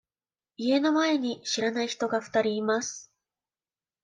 家の前に知らない人が二人います。